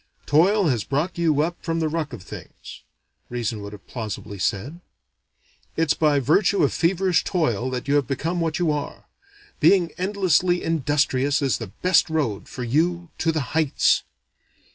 "Toil has brought you up from the ruck of things." Reason would have plausibly said, "it's by virtue of feverish toil that you have become what you are. Being endlessly industrious is the best road for you to the heights."